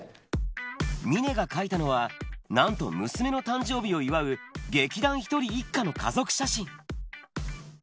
峰が描いたのは、なんと娘の誕生日を祝う劇団ひとり一家の家族写真。